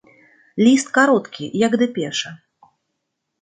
Ліст кароткі, як дэпеша.